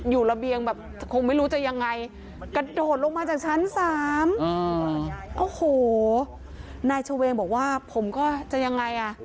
ระเบียงแบบคงไม่รู้จะยังไงกระโดดลงมาจากชั้น๓โอ้โหนายเฉวงบอกว่าผมก็จะยังไงอ่ะ